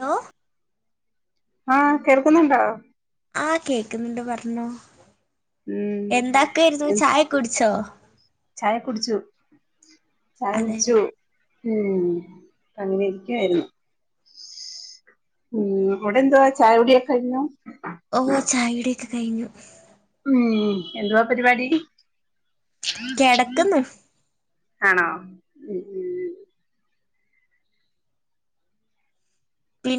Hello ആഹ് കേൾക്കുന്നുണ്ടോ ആഹ് കേക്ക്ന്ന്ണ്ട് പറഞ്ഞോ ഉം എന്തൊക്കായിരുന്നു ചായൊക്കെ കുടിച്ചോ ചായ കുടിച്ചു ചായ അതെല്ലെ കുടിച്ചു ഉം അങ്ങനിരിക്കായിരുന്നു ഉം അവിടെന്തുവാ ചായുടിയൊക്കെ കഴിഞ്ഞോ? ഓഹ് ചായുടിയൊക്കെ കഴിഞ്ഞു. ഏഹ് എന്തുവാ പരിപാടി? കിടക്കുന്നു ആണോ ഉം ഉം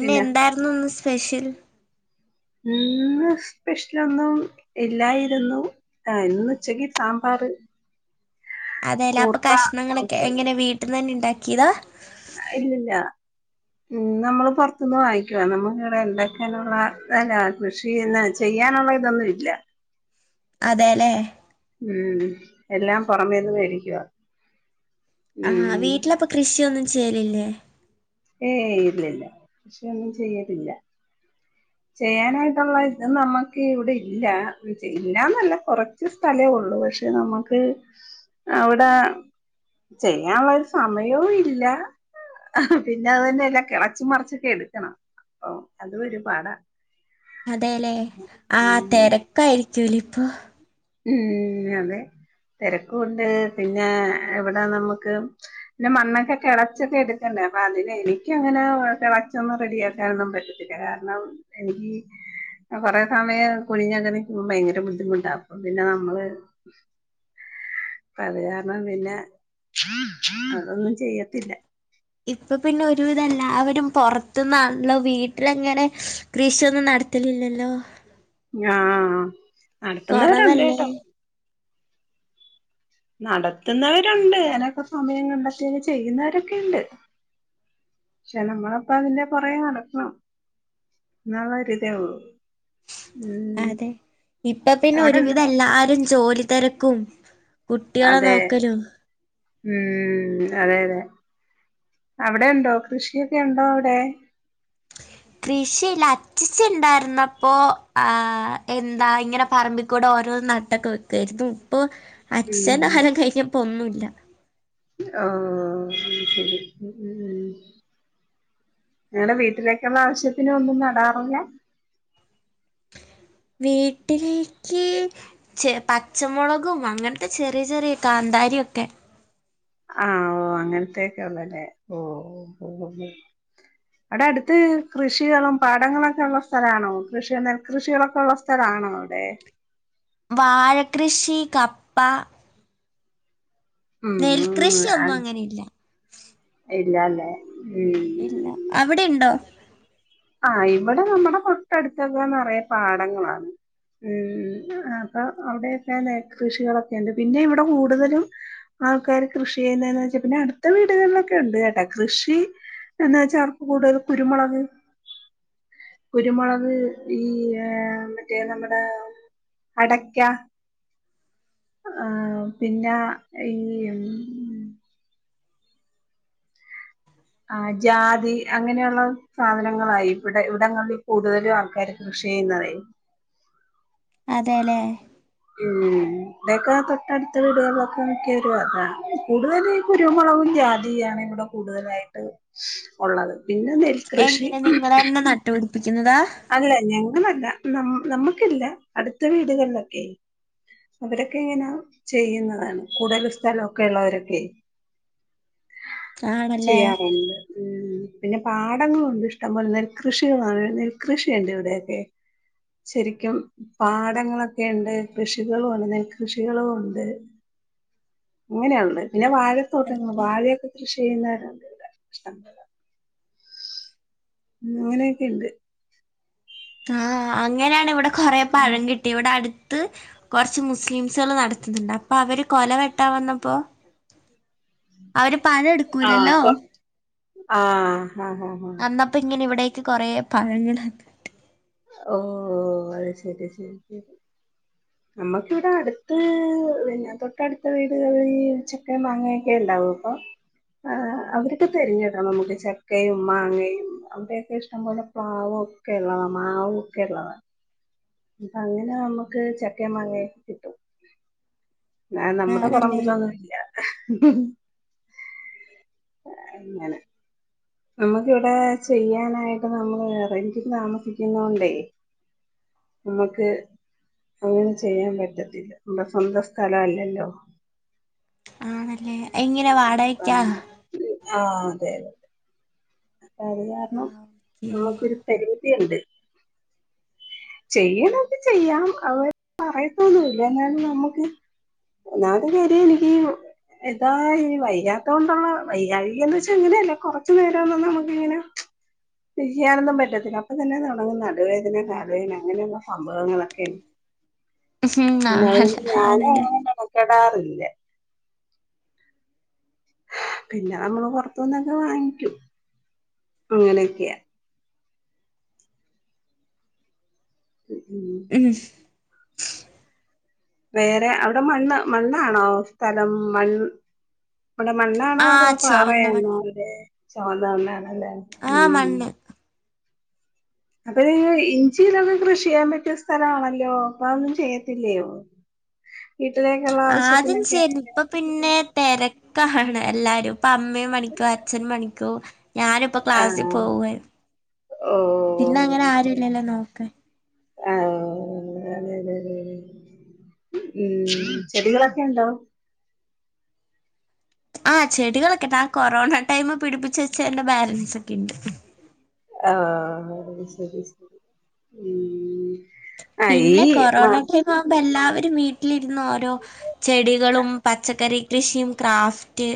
പിന്നെ ഇന്ന് സ്പെഷ്യൽ? ഇന്ന് സ്പെഷ്യലൊന്നും ഇല്ലായിരുന്നു. ആഹ്ഇന്നുച്ചക്ക് സാമ്പാറ് അതേലപ്പൊ കൂർക്ക കഷ്ണങ്ങളൊക്കെ ഒക്കെ എങ്ങനെ വീട്ട്ന്നന്നെ ഇണ്ടാക്കീതാ? ഇല്ല ല്ല. ഉം നമ്മള് പൊർത്തുന്ന് വാങ്ങിക്കുവാ, നമുക്കിവിടെ ഇണ്ടാക്കാനുള്ള [unintelligible] കൃഷി ഇന്നെ ചെയ്യാനുള്ള ഇതൊന്നും ഇല്ല. അതേലേ ഉം എല്ലാം പൊറമേന്ന് മേടിക്കുവാ. ആഹ് ഉം വീട്ടിലപ്പ കൃഷിയൊന്നും ചെയ്യലില്ലേ? ഏയ് ഇല്ലല്ല, കൃഷിയൊന്നും ചെയ്യലില്ല. ചെയ്യാനായിട്ടുള്ള ഇതൊന്നും നമ്മക്ക് ഇവിടെ ഇല്ലാ. ഇല്ലാന്നല്ല കൊറ ച്ച് സ്ഥലേഒള്ളു. പക്ഷെ നമക്ക് അവ്ടെ... ചെയ്യാള്ളൊരു സമയവു ഇല്ലാ പിന്നെ അത് തന്നെല്ല കിളച്ച് മറിച്ചൊക്കെ എടുക്കണം, അപ്പൊ അതും ഒരുപാടാ. അതേലേ, ആഹ് ഉം തെരക്കായിരിക്കൂലേ ഇപ്പൊ? ഉം അതെ, തെരക്കൂണ്ട് പിന്നേ ഇവിടെ നമുക്ക് പിന്നെ മണ്ണൊക്കെ കിളച്ചൊക്കെ എടുക്കണ്ടേ, അപ്പൊ അതിനെ എനിക്കങ്ങനെ കിളച്ചൊന്നും റെഡിയാക്കാനൊന്നും പറ്റത്തില്ല. [unintelligible] കാരണം എനിക്ക്, കൊറേ സമയം കുനിഞ്ഞങ്ങനെ നിക്കുമ്പഴെ ഭയങ്കര ബുദ്ധിമുട്ടാ. പിന്നെ നമ്മള് അത് കാരണം പിന്നെ, അതൊന്നും ചെയ്യത്തില്ല. ഇപ്പൊ പിന്നെ ഒരുവിധം എല്ലാവരും പൊറത്ത്ന്നാണല്ലോ വീട്ടിലങ്ങനെ കൃഷിയൊന്നും നടത്തലില്ലല്ലോ ആഹ് നടത്തുന്നവരുണ്ടേട്ടോ കുറവല്ലേ നടത്തുന്നവരുണ്ട്, അതിനൊക്കെ സമയം കണ്ടെത്തി ചെയ്യുന്നവരൊക്കെയ്ണ്ട്. ക്ഷെ നമ്മളപ്പ അതിന്റെ പൊറകേ നടക്കണം. ന്നാവര്തേ ഒള്ളൂ അതെ, ഇപ്പൊ പിന്നെ അവിടെണ്ടോ ഒരുവിധം എല്ലാരും ജോലി തെരക്കും അതേ ഉം അതെ അതെ, അവിടെ ഉണ്ടോ കൃഷിയൊക്കെ ഉണ്ടോ അവിടെ? [inaudible] കൃഷിയില്ല അച്ചച്ചൻ ഇണ്ടായിരുന്നപ്പോ, ആഹ് എന്താ ഇങ്ങനെ പറമ്പിക്കൂടെ ഓരോ ന [unintelligible] വെക്കായിരുന്നു. ഇപ്പോ ഉം അച്ചച്ചന്റെ കാലം കഴിഞ്ഞപ്പോ ഒന്നൂല്ല. ആഹ് [unintelligible] നിങ്ങടെ വീട്ടിലേക്കുള്ള ആവശ്യത്തിന് ഒന്നും നടാറില്ല? വീട്ടിലേക്ക് ചെ പച്ചമൊളകും അങ്ങൻത്തെ ചെറിയ ചെറിയ കാന്താരിയൊക്കെ ആഹ്, ഓഹ് അങ്ങൻത്തെയെക്കെ ഒള്ളല്ലേ ഓഹ് ഓഹ് ഓഹ് അടെ അടുത്ത് കൃഷികളും, പാടങ്ങളൊക്കെ ഉള്ള സ്ഥലാണോ കൃഷി, നെൽകൃഷികളൊക്കെ ഉള്ള സ്ഥലാണോ അവിടെ? വാഴക്ക്രിഷി, കപ്പ ഉം ഉം നെൽകൃഷിയൊന്നും [unintelligible] അങ്ങനെ ഇല്ല ഇല്ല അല്ലേ ഉം ഇല്ല, അവിടെ ഇണ്ടോ? ആഹ് ഇവിടെ നമ്മുടെ തൊട്ടടുത്ത് [unintelligible] പാടങ്ങളാണ്. ഉം ഉം. അപ്പൊ അവിടെയൊക്കെ നെൽകൃഷികളൊക്കെയുണ്ട്, പിന്നെ ഇവിടെ കൂടുതലും ആൾക്കാര് കൃഷി ചെയ്യുന്നേന്ന് വെച്ചാ പിന്നെ, അടുത്ത വീടുകളിലൊക്കെ ഉണ്ട് കേട്ടാ കൃഷി എന്ന് വെച്ചാ അവർക്ക് കൂടുതല് കുരുമൊളക് കുരുമൊളക് ഈ ഏഹ് മറ്റേ നമ്മടെ അടയ്ക്ക ആഹ് പിന്ന ഈം ആഹ് ജാതി അങ്ങനെയൊള്ള സാധനങ്ങളായിവിടെ. ഇവിടങ്ങളിൽ കൂടുതലും ആൾക്കാര് കൃഷിചെയ്യുന്നതേ അതേല്ലേ? ഉം. ഇവടെക്ക തൊട്ടടുത്ത വീടുകളിലൊക്കെ മിക്ക വീടുകളിലും അതാ. കൂടുതല് കുരുമൊളകും ജാതിയുവാണ് ഇവടെ കൂടുതലായിട്ട് ഒള്ളത്. പിന്നെ ദേ എങ്ങനെ നിങ്ങളന്നേ നട്ടുപിടിപ്പിക്കുന്നുന്നതാ? അല്ല ഞങ്ങളല്ല. നം നമ്മുക്കില്ല. അടുത്ത വീടുകളിലൊക്കേ അവരൊക്കെ ഇങ്ങനെ ചെയ്യുന്നതാണ്. കൂടുതല് സ്ഥലൊക്കെ ഉള്ളവരൊക്കെ ആണല്ലേ ചെയ്യാറിണ്ട് ഉം. പിന്നെ പാടങ്ങളുണ്ട് ഇഷ്ടംപോലെ. നെൽ കൃഷിയു [unintelligible] കൃഷിയുണ്ട് ഇവിടെയൊക്കെ ശരിക്കും പാടങ്ങളൊക്കെയ്ണ്ട്. കൃഷികളോണ്ട്. നെൽകൃഷികളുണ്ട്. അങ്ങനെയാള്ള്. പിന്ന വാഴത്തോട്ടങ്ങളും വാഴയൊക്കെ കൃഷി ചെയ്യുന്നരുണ്ട് ഇവടെ. ഇഷ്ടം പോലെ അങ്ങനെയൊക്കെണ്ട് ആഹ് അങ്ങനെയാണ് ഇവടെ കൊറെ പഴം കി ഇവടെ അടുത്ത് കൊറച്ച് മുസ്ലിംസുകള് നടത്തുന്നുണ്ട്. അപ്പ അവര് കൊല വെട്ടാ വന്നപ്പോ അവര് പഴം എടുക്ക് ആഹ് ആപ്പം ആഹ് ആഹ് ആഹാ വന്നപ്പ ഇങ്ങനെ ഇവിടേക്ക് കൊറേ പഴങ്ങള് തന്ന് ഓഹ് ഓഹ്. അത് ശരി. അത് ശരി ശരിക്ക് നമ്മക്കിവിടെ അടുത്ത് പിന്നെ തൊട്ടടുത്ത വീടുകളിൽ ചക്കയും മാങ്ങയൊക്കെ ഇണ്ടാവും അപ്പോ ആഹ് അവരോക്കേ തെരില്ല്യാട്ടോ നമ്മക്ക് ചക്കയും മാങ്ങയും അവിടെയൊക്കെ ഇഷ്ടം പോലെ പ്ലാവും ഒക്കേള്ളതാ. മാവും ഒക്കേള്ളതാ ഇപ്പ അങ്ങനെ നമ്മക്ക് ചക്കേം മാങ്ങയൊക്കെ കിട്ടും അല്ലാതെ നമ്മടെ ആണല്ലേ പറമ്പിലൊന്നും ഇല്ല ആഹ് ഇങ്ങനെ നമ്മക്കിവിടെ ചെയ്യാനായിട്ട് നമ്മള് ഹൈ റേഞ്ചിൽ താമസിക്കുന്നോണ്ടേ നമ്മക്ക് അങ്ങനെ ചെയ്യാൻ പറ്റത്തില്ല. നമ്മടെ സ്വന്തം സ്ഥലം അല്ലല്ലോ. ആണല്ലേ? എങ്ങനെ വാടക ആണ് ആഹ് അതേയതേ അത് ആ, കാരണം ഓക്കേ. നമുക്കൊരു പരിമിതിയൊണ്ട് ചെയ്യലൊക്കെ ചെയ്യാം. അവരൊന്നും പറയത്തൊന്നുവില്ല. എന്നാലും നമ്മക്ക് ഒന്നാമത്തെ കേര്യം ഇടിയും എതാ ഇനി വൈയ്യാത്തോണ്ടാണോ? വൈയ്യാഴക എന്ന് വെച്ചാ അങ്ങനെയല്ല കൊറച്ചു നേരം ഒന്നും നമുക്ക് ഇങ്ങനെ ഇരിക്കാനൊന്നും പറ്റത്തില്ല. അപ്പത്തന്നെ തൊടങ്ങും നടുവേദന കാലുവേദന അങ്ങനെയുള്ള സംഭവങ്ങളൊക്കെ ഉം പിന്നെ അതുകൊണ്ട് ആണല്ലേ ഞാനും ആണല്ലേ അങ്ങനെ മെനക്കെടാറില്ല പിന്നാമ്മള് പുറത്തുന്നൊക്കെ വാങ്ങിക്കും. അങ്ങനെയൊക്കെയാ ഉം ഉം വേറെ അവിടെ മണ്ണ് മണ്ണാണോ സ്ഥലം മൺ അപടെ മണ്ണാണോ ആ അതോ ചുവന്ന പാറയാണോ? മണ്ണ് അതെ. ചോന്ന മണ്ണാണല്ലേ ആഹ് ഉം മണ്ണ് അപ്പ നിങ്ങള് ഇഞ്ചിതൊക്കെ കൃഷിയ്യാൻ പറ്റിയ സ്ഥലാണല്ലോ. അപ്പോ അതൊന്നും ചെയ്യത്തില്ലയോ? വീട്ടിലേക്കുള്ള ആവശ്യത്തിനൊക്കെ? ഇപ്പ പിന്നെ തെരക്കാണ് എല്ലാരും. ഇപ്പ അമ്മേം പണിക്കോവും. അച്ഛനും പണിക്കോവും. ഞാനിപ്പോ ക്ലാസ്സിൽ ആഹ് പോവ്വായി. ഓ പിന്നെ അങ്ങനെ ആരുല്ലല്ലോ നോക്കാൻ [unintelligible] ഉം ചെടികളൊക്കെ ഉണ്ടോ ആഹ ചെടികളൊക്കൊ കൊറോണ ടൈമിൽ പിടിപ്പിച്ചച്ച് വെച്ചതിന്റെ ബാലൻസ് ഒക്കെ ഉണ്ട് ആഹ് ശരി ശരി ഉം ആഹ് ഈ പിന്നെ മ കൊറോണ ടൈം ആവുമ്പോ എല്ലാവരും വീട്ടിലിരുന്ന് ഓരോ ചെടികളും പച്ചക്കറി കൃഷിയും ക്രാഫ്റ്റ്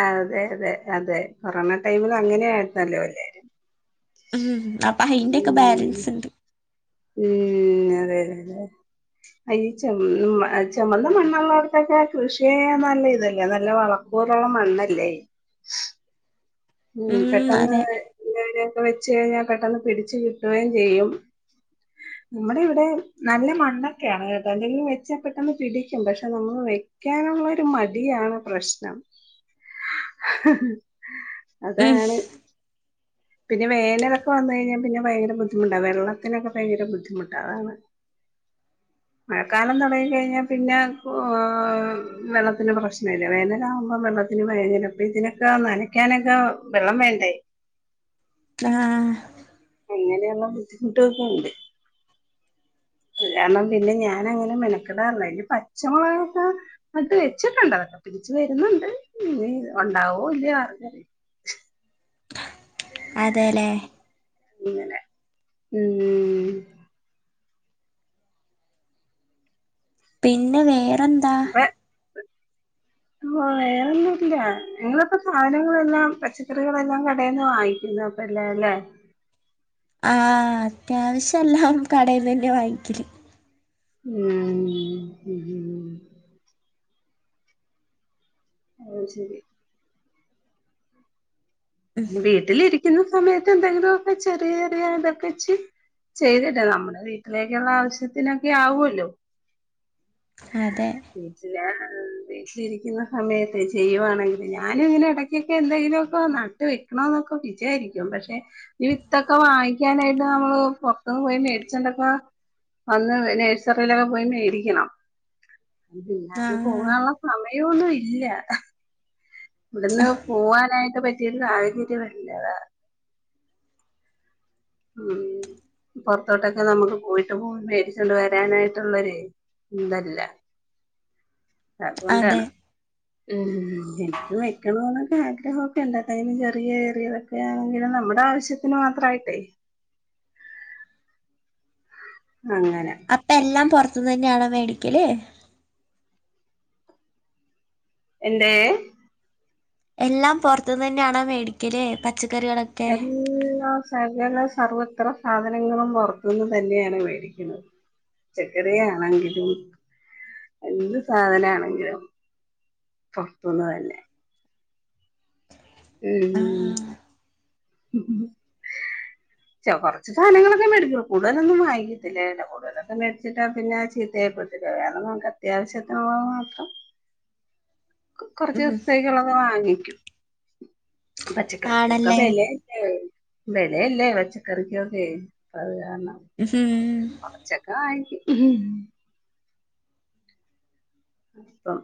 ആഹ് അതെ അതെ അതെ കൊറോണ ടൈമിൽ അങ്ങനെയായിരുന്നല്ലോ അല്ലേ ഉം അപ്പൊ അയിന്റെ ഒക്കെ ഉം ബാലൻസ് ഉണ്ട് ഉം അതെ അതെ ഈ ചെ ചെമ്മന്ന മണ്ണുള്ള അടത്തൊക്കെ കൃഷിയ നല്ല ഇതല്ലേ നല്ല വളർ അപോലുള്ള മണ്ണല്ലേ ഉം പെട്ടെന്ന് ഇ ഇതിനൊക്കെ വെച്ച് കഴിഞ്ഞാൽ പെട്ടെന്ന് പിടച്ചു കിട്ടുകയും ചെയ്യും [inaudible] നമ്മുടെ ഇവിടെ നല്ല മണ്ണൊക്കെയാണ് കേട്ടോ എന്തെങ്കിലും വെച്ചൽ പെട്ടെന്ന് പിടിക്കും പക്ഷെ നമ്മ പിക്കാനുള്ള ഒരു മടിയാണ് പ്രശ്നം ഉം അതാണ് പിന്നെ വേലൊക്കെ വന്നു കഴിഞ്ഞാ പിന്നെ ഭയങ്കര ബുദ്ധിമുട്ടാണ് വെള്ളത്തിനൊക്കെ ഭയങ്കര ബുദ്ധിമുട്ട അതാണ് [inaudible] മഴക്കാലം തുടങ്ങ കഴിഞ്ഞാൽ പിന്നെ വെള്ളത്തിന്റെ പ്രശ്നമല്ല വേനല ആകുമ്പോ വെള്ളത്തി ഇന് വപ്പ ഇതിനൊക്കെ നനക്കാനൊക്കെ വെള്ളം വേണ്ടേ ആഹ് അങ്ങനെയുള്ള ബുദ്ധിമുട്ടുകളുണ്ട് കാരണം പിന്നെ ഞാൻ അങ്ങനെ മെനക്കടാറില്ല ഈ പച്ചമുളക്കെ അത് വെച്ചിട്ടൊണ്ടതൊക്കെ പിടിച്ചു വരുന്നുണ്ട് ഇനി ഉണ്ടാവോ ഇല്ല്യേ ആർക്കറിയാം അതെലെ ങ്ങനെ ഉം ഉം പിന്നെ വേറെ [inaudible] വേറെന്നും ഇല്ല നിങ്ങളിപ്പോ സാധനങ്ങളെല്ലാം പച്ചക്കറികളെല്ലാം കടെന്ന് വാങ്ങിക്കുന്ന പല്ലലെ ആഹ് അത്യാവശ്യം എല്ലാം കടയിൽന്നന്നെ വാങ്ങിക്കല് ഉം ഉം ഓ ശെരി വീട്ടിലിരിക്കുന്ന സമയത്ത് എന്തെങ്കിലു ഒക്കെ ചെറിയ ചെറിയ ഇതൊക്കെ ചി ചെയ്തിട്ടെ നമ്മുടെ വീട്ടിലേക്കുള്ള ആവശ്യത്തിനൊക്കെ ആവുല്ലോ അതെ വീട്ടില വീട്ടിലിരിക്കുന്ന സമയത്ത് ചെയ്യുവാണെങ്കിൽ ഞാനും ഇങ്ങനെ ഇടക്കൊക്കെ എന്തെങ്കിലു ഒക്കെ വന്നാ വെക്കണ എന്നൊക്കെ വിചയാരിക്കും പക്ഷെ ഈ വിത്തൊക്കെ വാങ്ങിക്കാനായിട്ട് നമ്മള് പൊറത്തന്ന് പോയി മേടിച്ചെണ്ടൊക്കെ വന്ന് നഴ്സറിയിലൊക്കെ പോയി മേടിക്കണം അതില് അന് ആഹ് പോവാനുള്ള സമയമൊന്നും ഇല്ല ഇവിടുന്ന് പോവാനായിട്ട് പറ്റിയരു സാഹചര്യംല്ല ഉം പൊറത്തോട്ടൊക്കെ നമുക്ക് പോയിട്ട് പോയി മേടിച്ചൊണ്ട് വരാനായിട്ടുള്ളൊരു ഇതല്ല അതെ അതുകൊണ്ടാണ് ഉം എനിക്കും വെക്കണന്നൊക്കെ ആഗ്രഹം ണ്ടത്തനന് ചെറിയ ഏറിയതൊക്കെ ആണെങ്കിലും നമ്മുടെ ആവശ്യത്തിന് മാത്രമായിട്ട് അങ്ങനെ അപ്പം എല്ലാം പുറത്തുന്ന് തന്നെയാണ് മേടിക്കൽ എന്തെ എല്ലാം പുറത്തുന്ന്ന്നെയാണോ മേടിക്കല് പച്ചക്കറികളൊ എല്ലാം ഞങ്ങള് സർവ്വത്ര സാധനങ്ങളും പൊ ർത്തൂന്ന് തന്നെയാണ് മേടിക്കുന്നത്. പച്ചക്കറി ആണെങ്കിലും എന്ത് സാധന ആണെങ്കിലും. പൊർത്തൂന്ന് തന്നെ ഉം ച്ച കൊർച്ച് സാധനങ്ങളൊക്കെ മേടിച്ചു. കൂടുതലൊന്നും വായിങ്ങത്തില്ലേലോ. കൂടുതലൊന്നും മേടിച്ചിട്ട് അ പിന്നെ ചീത്തയ ഇപ്പൊ [unintelligible] നമുക്ക് അത്യാവശ്യത്തിനുള്ള മാത്രം ഉം കൊർച്ച് ഉം. സ്ത്തേക്കുള്ളൊക്കെ വാങ്ങിക്കും. പച്ചക്കറിക്കൊക്കെ ആണല്ലേ വെല ല്ലേ വെല ല്ലേ വച്ചക്കറിക്കക്കെ അത് കാര്ണം ഹ്മം കൊർച്ചൊക്കെ വാങ്ങിക്കും അപ്പം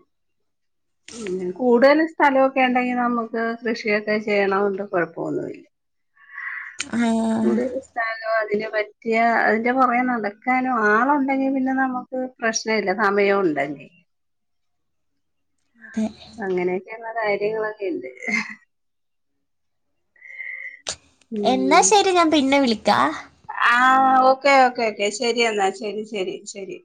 കൂടുതൽ സ്ഥലക്കെ ഇണ്ടെങ്കിൽ നമുക്ക് കൃഷിയൊക്കെ ചെയ്യണോണ്ട് കൊഴപ്പൊന്നുല്ല. ആ കൂടുതൽ സ്ഥലോ അതിന് പറ്റിയ അയ്ന്റെ പൊറകെ നടക്കാനോ ആളുണ്ടെങ്കി പിന്നെ നമ ക്ക് പ്രശ്ന ഇല്ല സമയോണ്ടെങ്കി തെ അങ്ങനെയൊക്കെയുള്ള കാര്യങ്ങളൊക്കെ ഇണ്ട് എന്നാ ഉം ശരി ഞാൻ പിന്നെ വിളിക്കാ. ആഹ് ഓക്കേ ഓക്കേ ക്കെ ശരി എന്നാ ശരി ശരി ശരി